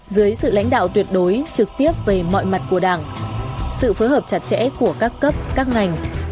dưới sự lãnh đạo tuyệt đối trực tiếp về mọi mặt của đảng sự phối hợp chặt chẽ của các cấp các ngành